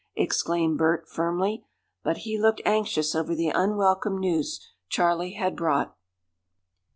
exclaimed Bert, firmly. But he looked anxious over the unwelcome news Charley had brought.